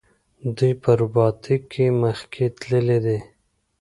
دوی په روباټیک کې مخکې تللي دي.